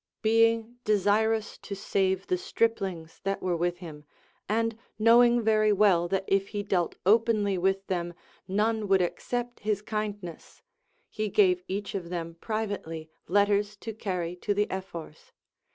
Being desirous to save the striplings that were with him, and knowing very Λνοΐΐ that if he dealt openly with them none would accept his kindness, he gave each of them pri\'ately letters to carry to the Ephors.